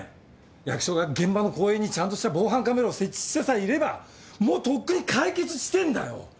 役所が現場の公園にちゃんとした防犯カメラを設置してさえいればもうとっくに解決してんだよ。